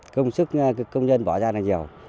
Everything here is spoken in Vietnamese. công sức công dân bỏ ra là nhiều